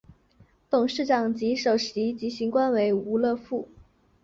董事长及首席执行官为吴乐斌。